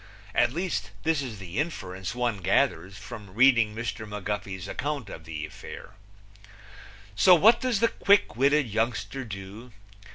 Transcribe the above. At least, this is the inference one gathers from reading Mr. McGuffey's account of the affair. So what does the quick witted youngster do?